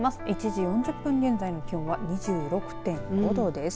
１時４０分現在の気温は２７．３度です。